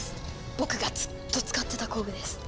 僕がずっと使ってた工具です。